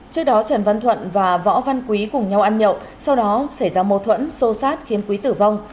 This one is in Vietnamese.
trước đó trần văn thuận và võ văn quý cùng nhau ăn nhậu sau đó xảy ra mâu thuẫn xô xát khiến quý tử vong